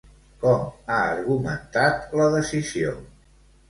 Com ha argumentat la decisió?